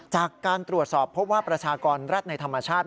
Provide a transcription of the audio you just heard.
จากการตรวจสอบพบว่าประชากรแร็ดในธรรมชาติ